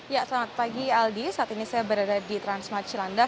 ya selamat pagi aldi saat ini saya berada di transmart cilandak